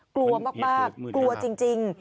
กลัวมากกลัวจริง